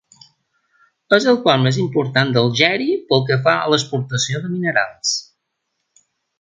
És el port més important d'Algèria pel que fa a l'exportació de minerals.